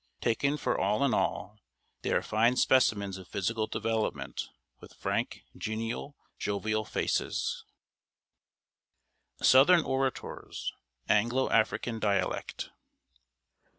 Taken for all in all, they are fine specimens of physical development, with frank, genial, jovial faces. [Sidenote: SOUTHERN ORATORS ANGLO AFRICAN DIALECT.